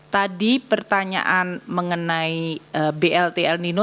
tadi pertanyaan mengenai blt el nino